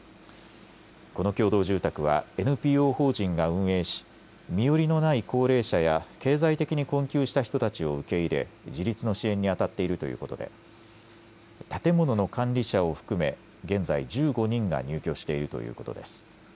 この共同住宅はＮＰＯ法人が運営し、身寄りのない高齢者や経済的に困窮した人たちを受け入れ自立の支援にあたっているということで建物の管理者を含め現在１５人が入居しているということです。